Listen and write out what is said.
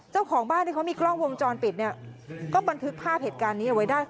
เจ้าของบ้านที่เขามีกล้องวงจรปิดเนี่ยก็บันทึกภาพเหตุการณ์นี้เอาไว้ได้